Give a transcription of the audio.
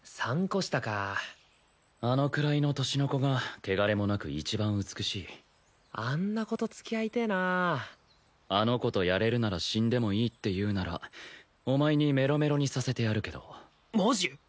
あのくらいの年の子が汚れもなく一番美しいあんな子と付き合いてえなあの子とやれるなら死んでもいいって言うならお前にメロメロにさせてやるけどマジ！？